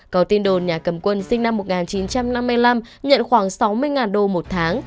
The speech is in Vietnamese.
có tin đồn nhà cầm quân sinh năm một nghìn chín trăm năm mươi năm nhận khoảng sáu mươi đô một tháng